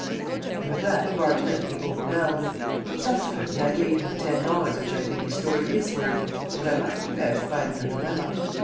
And with that Barney left me overwhelmed. Subsequently I gave him the ten dollars which I think his story is worth, but I must confess that I am in a dilemma.